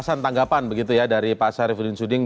penjelasan tanggapan begitu ya dari pak syarifudin suding